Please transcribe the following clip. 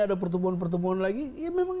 ada pertumbuhan pertumbuhan lagi ya memang